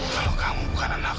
kalau kamu bukan anak